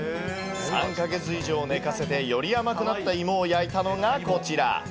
３か月以上寝かせてより甘くなった芋を焼いたのがこちら。